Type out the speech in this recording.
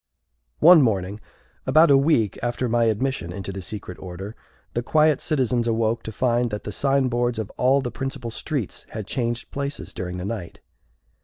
One morning, about a week after my admission into the secret order, the quiet citizens awoke to find that the signboards of all the principal streets had changed places during the night.